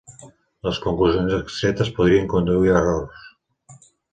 Les conclusions extretes podrien conduir a errors.